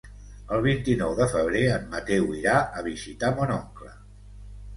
El vint-i-nou de febrer en Mateu irà a visitar mon oncle.